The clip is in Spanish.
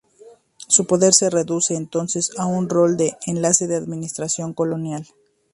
Su poder se reduce entonces a un rol de "enlace de la administración colonial".